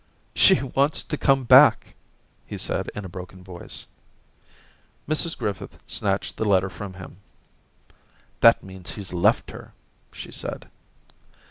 * She wants to come back,' he said in a broken voice. Mrs Griffith snatched the letter from » him. 'That means he's left her,' she said.